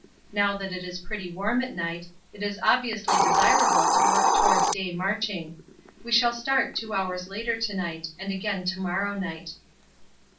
Now that it is pretty warm at night it is obviously desirable to work towards day marching. We shall start 2 hours later to night and again to morrow night.